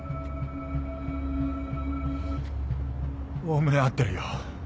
おおむね合ってるよ。